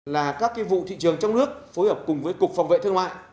là các vụ thị trường trong nước phối hợp cùng với cục phòng vệ thương mại